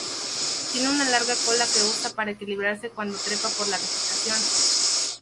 Tiene una larga cola que usa para equilibrarse cuando trepa por la vegetación.